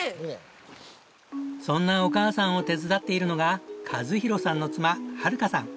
そんなお母さんを手伝っているのが和洋さんの妻遥さん。